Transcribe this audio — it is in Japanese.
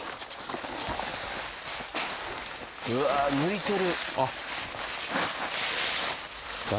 うわっ抜いてる。